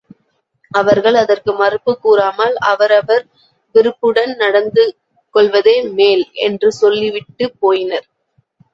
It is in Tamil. அவர்கள் அதற்கு மறுப்புக் கூறாமல் அவரவர் விருப்புடன் நடந்து கொள்வதே மேல் என்று சொல்லி விட்டுப் போயினர்.